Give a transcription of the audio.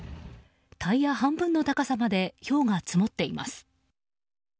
タイヤ半分の高さまでひょうが積もっています。